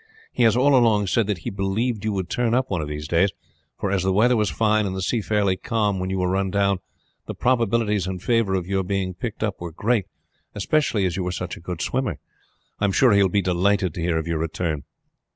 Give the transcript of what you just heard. He has all along said that he believed you would turn up one of these days, for as the weather was fine and the sea fairly calm when you were run down, the probabilities in favor of your being picked up were great, especially as you were such a good swimmer. I am sure he will be delighted to hear of your return."